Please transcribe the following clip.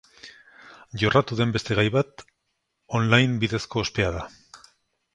Jorratu den beste gai bat on-line bidezko ospea da.